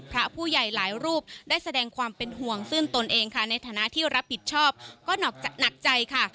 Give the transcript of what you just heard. พระผู้ใหญ่หลายรูปได้แสดงความเป็นห่วงซึ่งตนเองค่ะในฐานะที่รับผิดชอบก็หนักใจค่ะ